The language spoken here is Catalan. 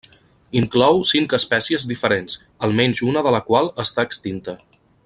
Inclou cinc espècies diferents, almenys una de la qual està extinta.